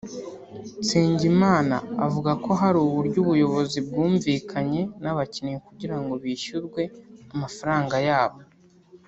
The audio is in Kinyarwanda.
Nsengimana avuga ko hari uburyo ubuyobozi bwumvikanye n’abakinnyi kugira ngo bishyurwe amafaranga yabo